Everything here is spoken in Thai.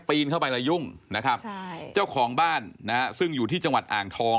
นเข้าไปแล้วยุ่งนะครับใช่เจ้าของบ้านนะฮะซึ่งอยู่ที่จังหวัดอ่างทอง